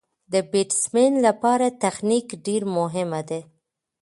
د بېټسمېن له پاره تخنیک ډېر مهم دئ.